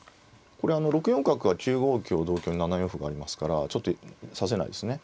これ６四角は９五香同香７四歩がありますからちょっと指せないですね。